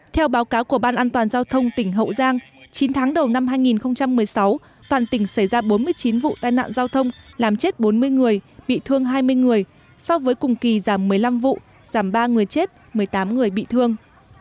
theo báo cáo của ban an toàn giao thông tỉnh hậu giang chín tháng đầu năm hai nghìn một mươi sáu toàn tỉnh xảy ra bốn mươi chín vụ tai nạn giao thông làm chết bốn mươi người bị thương hai mươi người so với cùng kỳ giảm một mươi năm vụ giảm ba người chết một mươi tám người bị thương